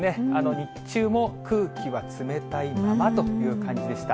日中も空気は冷たいままという感じでした。